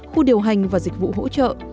khu điều hành và dịch vụ hỗ trợ